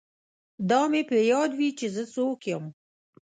دا مې په یاد وي چې زه څوک یم